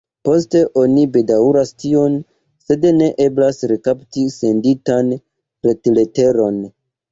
Poste oni bedaŭras tion, sed ne eblas rekapti senditan retleteron.